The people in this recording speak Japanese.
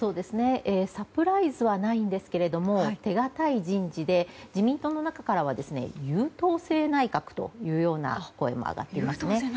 サプライズはないんですが手堅い人事で自民党の中からは優等生内閣という声も上がっていますね。